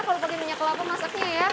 kalau pakai minyak kelapa masaknya ya